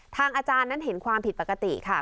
อาจารย์นั้นเห็นความผิดปกติค่ะ